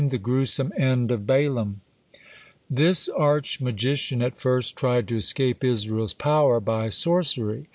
THE GRUESOME END OF BALAAM This arch magician at first tried to escape Israel's power by sorcery.